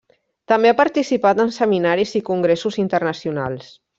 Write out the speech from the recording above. També ha participat en seminaris i congressos internacionals.